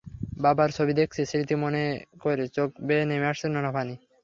বাবার ছবি দেখছি, স্মৃতি মনে করে চোখ বেয়ে নেমে আসছে নোনা পানি।